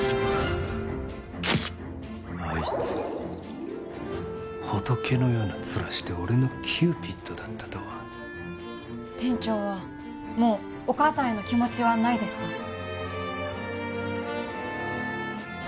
あいつ仏のようなツラして俺のキューピッドだったとは店長はもうお母さんへの気持ちはないですか？